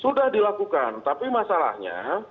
sudah dilakukan tapi masalahnya